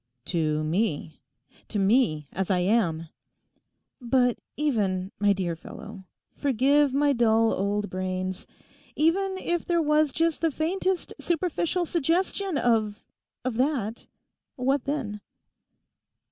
'To me? To me, as I am?' 'But even, my dear fellow (forgive my dull old brains!), even if there was just the faintest superficial suggestion of—of that; what then?